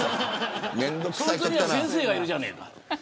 そいつには先生がいるじゃねえか。